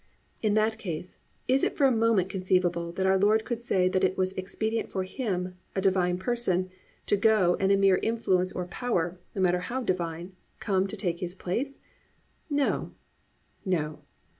In that case, is it for a moment conceivable that our Lord could say that it was expedient for Him, a Divine Person, to go and a mere influence or power, no matter how divine, come to take His place? No! No!